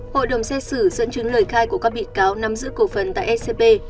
hội đồng xét xử dẫn chứng lời khai của các bị cáo nằm giữa cổ phần tại scb